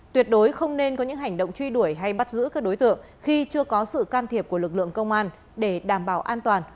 tuyệt đối không nên có những hành động truy đuổi hay bắt giữ các đối tượng khi chưa có sự can thiệp của lực lượng công an để đảm bảo an toàn